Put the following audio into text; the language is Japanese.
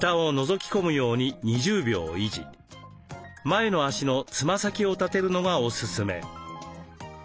前の足のつま先を立てるのがおすすめ。